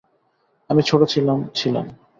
আমি ছোট ছিলাম, ছিলাম।